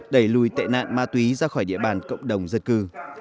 đẩy lùi tệ nạn ma túy ra khỏi địa bàn cộng đồng dân cư